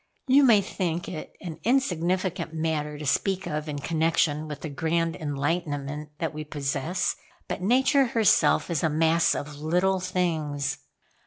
You may think it an insignificant matter to speak of in connection with the grand enlightenment that we possess; but Nature herself is a mass of little things.